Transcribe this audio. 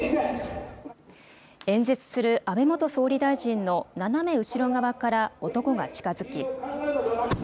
演説する安倍元総理大臣の斜め後ろ側から男が近づき。